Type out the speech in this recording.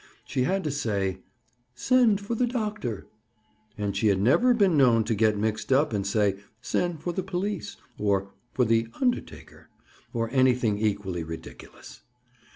She had to say: "Send for the doctor" and she had never been known to get mixed up and say: "Send for the police," or for the undertaker, or anything equally ridiculous.